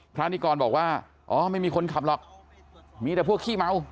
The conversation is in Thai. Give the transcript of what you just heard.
นิกรบอกว่าอ๋อไม่มีคนขับหรอกมีแต่พวกขี้เมา